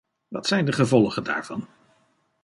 Wat zijn de gevolgen daarvan?